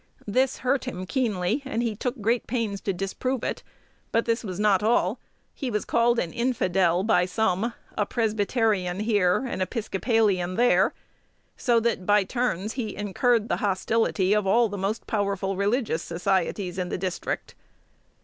This hurt him keenly, and he took great pains to disprove it; but this was not all. He was called an infidel by some, a Presbyterian here, an Episcopalian there; so that by turns he incurred the hostility of all the most powerful religious societies in the district.